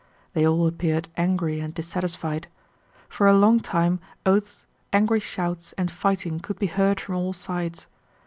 They all appeared angry and dissatisfied. For a long time, oaths, angry shouts, and fighting could be heard from all sides.